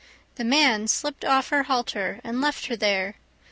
The man slipped off her halter, and left her there.